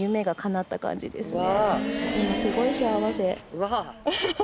うわ！